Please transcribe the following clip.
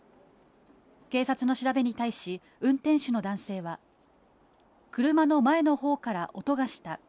警察の調べに対し、運転手の男性は、車の前のほうから音がした。